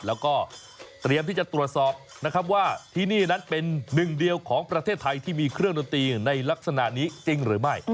แล้วก็เตรียมที่จะตรวจสอบนะครับว่าที่นี่นั้นเป็นหนึ่งเดียวของประเทศไทยที่มีเครื่องดนตรีในลักษณะนี้จริงหรือไม่